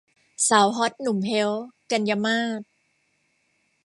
สาวฮอทหนุ่มเฮ้ว - กันยามาส